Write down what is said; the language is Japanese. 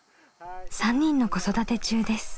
３人の子育て中です。